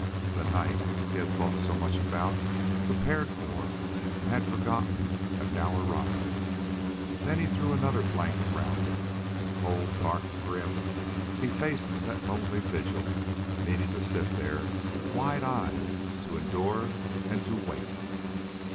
The night he had thought so much about, prepared for, and had forgotten had now arrived. Then he threw another blanket round him, and, cold, dark, grim, he faced that lonely vigil, meaning to sit there, wide eyed, to endure and to wait.